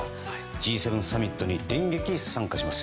Ｇ７サミットに電撃参加します。